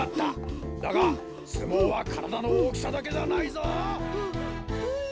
だがすもうはからだのおおきさだけじゃないぞ！ははい。